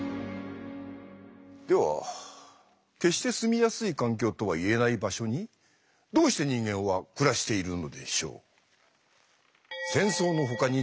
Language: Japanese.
では決して住みやすい環境とは言えない場所にどうして人間は暮らしているのでしょう？